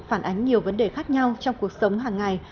phản ánh nhiều vấn đề khác nhau trong cuộc sống hàng ngày